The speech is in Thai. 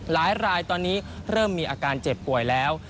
หลายรายตอนนี้เริ่มมีอาการเจ็บป่วยแล้ว